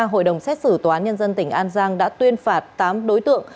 hội đồng xét xử tòa án nhân dân tỉnh an giang đã tuyên phạt tám đối tượng